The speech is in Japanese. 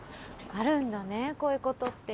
あるんだねこういうことって。